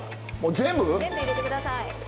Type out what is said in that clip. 全部入れて下さい。